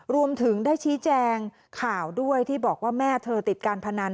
รวมถึงได้ชี้แจงข่าวด้วยที่บอกว่าแม่เธอติดการพนัน